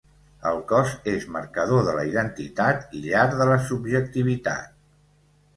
El cos és marcador de la identitat i llar de la subjectivitat.